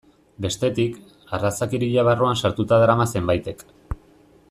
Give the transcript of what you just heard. Bestetik, arrazakeria barruan sartuta darama zenbaitek.